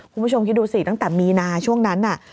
คุณผู้ชมคิดดูสิตั้งแต่มีนาช่วงนั้นน่ะ